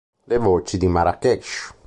Le voci di Marrakech.